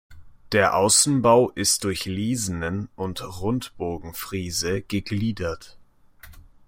Der Außenbau ist durch Lisenen und Rundbogenfriese gegliedert.